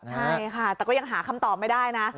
ใช่ค่ะแต่ก็ยังหาคำตอบไม่ได้นะ